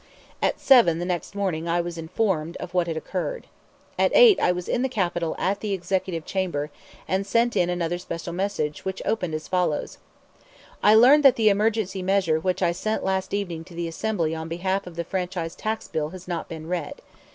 At seven the next morning I was informed of what had occurred. At eight I was in the Capitol at the Executive chamber, and sent in another special message, which opened as follows: "I learn that the emergency message which I sent last evening to the Assembly on behalf of the Franchise Tax Bill has not been read.